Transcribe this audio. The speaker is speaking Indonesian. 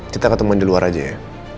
kita ketemu di luar aja ya